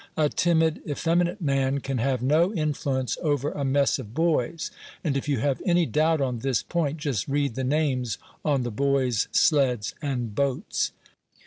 A timid, effeminate man can have no influence over a mess of boys; and if you have any doubt on this point, just read the names on the boys' sleds and boats.